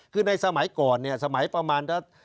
คือในสมัยก่อนเนี่ยสมัยประมาณ